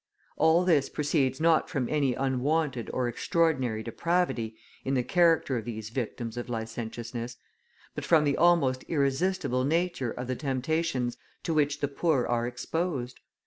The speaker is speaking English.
All this proceeds not from any unwonted or extraordinary depravity in the character of these victims of licentiousness, but from the almost irresistible nature of the temptations to which the poor are exposed.